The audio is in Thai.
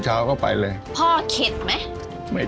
อืมอืมอืมอืมอืม